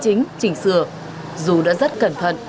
chính trình sửa dù đã rất cẩn thận